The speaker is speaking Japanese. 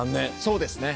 そうですよ。